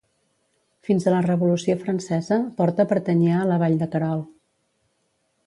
Fins a la Revolució Francesa, Porta pertanyia a la Vall de Querol.